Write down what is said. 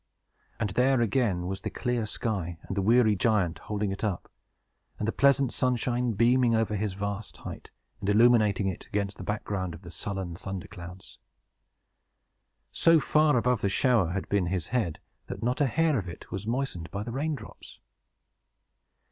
And there again was the clear sky, and the weary giant holding it up, and the pleasant sunshine beaming over his vast height, and illuminating it against the background of the sullen thunder clouds. So far above the shower had been his head, that not a hair of it was moistened by the rain drops!